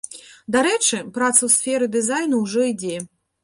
Дарэчы, праца ў сферы дызайну ўжо ідзе.